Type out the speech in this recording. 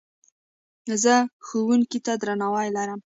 زه ښوونکي ته درناوی لرم.